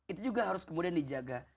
itu juga harus kemudian dijaga